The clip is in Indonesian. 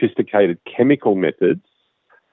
metode kemikian yang spesifik